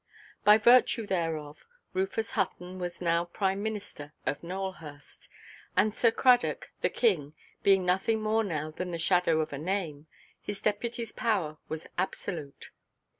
By virtue thereof Rufus Hutton was now prime–minister of Nowelhurst; and Sir Cradock, the king, being nothing more now than the shadow of a name, his deputyʼs power was absolute.